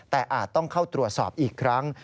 แต่อาจต้องเข้าตรวจสอบอีกครั้ง